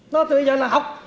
nó từ bây giờ là học